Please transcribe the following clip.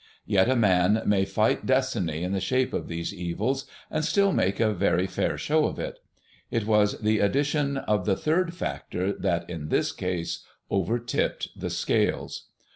Yet a man may fight Destiny in the shape of these evils and still make a very fair show of it. It was the addition of the third factor that in this case overtipped the scales.